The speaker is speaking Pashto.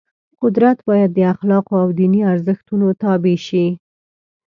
قدرت باید د اخلاقو او دیني ارزښتونو تابع شي.